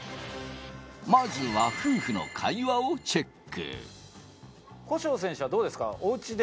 まずは夫婦の会話をチェック。